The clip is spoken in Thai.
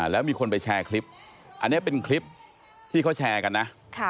แล้วมีคนไปแชร์คลิปอันนี้เป็นคลิปที่เขาแชร์กันนะ